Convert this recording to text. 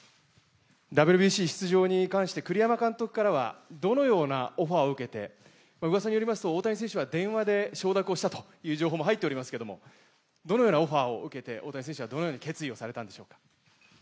ＷＢＣ出場に関して、栗山監督はどのようなオファーを受けて、うわさによりますと大谷選手は電話で承諾をしたという情報も入っていますけれども、どのようなオファーを受けて、大谷選手はどのような決意をされたでしょうか？